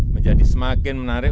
menjadi semakin menarik